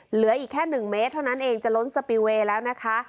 เหลืออีกแค่๑เมตรเท่านั้นเองจะล้นสปิลเวย์แล้วนะคะ